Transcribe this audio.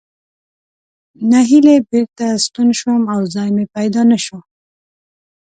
نهیلی بېرته ستون شوم او ځای مې پیدا نه شو.